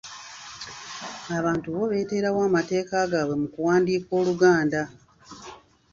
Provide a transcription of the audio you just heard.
Abantu bo beeteerawo amateeka agaabwe mu kuwandiika Oluganda.